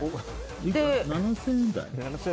７０００円台？